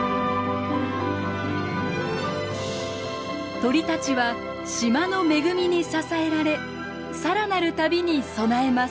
鳥たちは島の恵みに支えられさらなる旅に備えます。